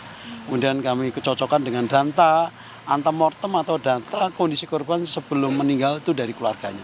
kemudian kami kecocokan dengan data antemortem atau data kondisi korban sebelum meninggal itu dari keluarganya